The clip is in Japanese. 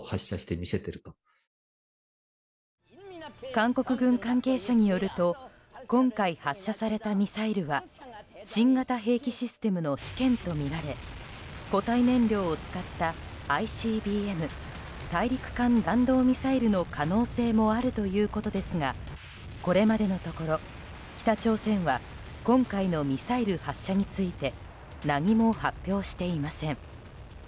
韓国軍関係者によると今回、発射されたミサイルは新型兵器システムの試験とみられ固体燃料を使ったＩＣＢＭ・大陸間弾道ミサイルの可能性もあるということですがこれまでのところ北朝鮮は今回のミサイル発射について何も発表していません。